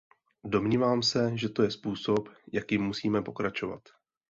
Domnívám se, že to je způsob, jakým musíme pokračovat.